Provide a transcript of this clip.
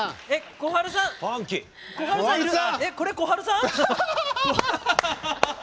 これ、小春さん？